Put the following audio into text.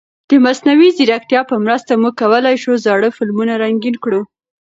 د مصنوعي ځیرکتیا په مرسته موږ کولای شو زاړه فلمونه رنګین کړو.